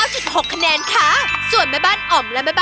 ฝั่งแม่บ้านทอบจึงได้คะแนนน้ำต้มยำใส่แซ่บก็รับไปเต็มถึง๙๖คะแนนค่ะ